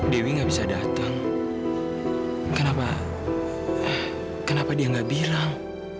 dewi nggak bisa datang kenapa kenapa dia nggak bilang